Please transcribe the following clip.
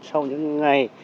sau những ngày